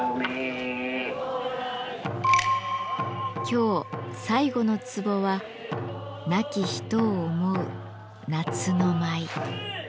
今日最後の壺は「亡き人を思う、夏の舞」。